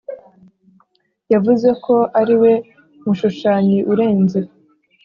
yavuze ko ariwe mushushanyi urenze